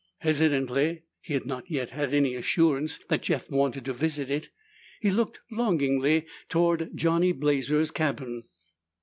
Hesitantly he had not yet had any assurance that Jeff wanted to visit it he looked longingly toward Johnny Blazer's cabin.